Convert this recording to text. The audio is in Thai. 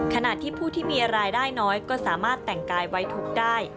ขณะที่ผู้ที่มีรายได้น้อยก็สามารถแต่งกายไว้ทุกข์ได้